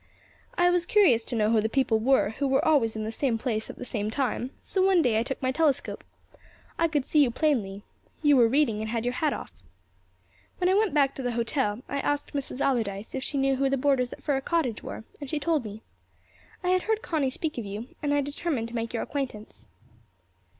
"I was curious to know who the people were who were always in the same place at the same time, so one day I took my telescope. I could see you plainly. You were reading and had your hat off. When I went back to the hotel I asked Mrs. Allardyce if she knew who the boarders at Fir Cottage were and she told me. I had heard Connie speak of you, and I determined to make your acquaintance."